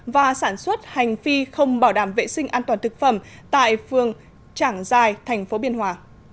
và sản xuất hành phi không bảo đảm vệ sinh an toàn thực phẩm tại phường trảng giài thành phố biên hòa